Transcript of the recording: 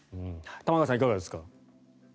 玉川さん、いかがですか？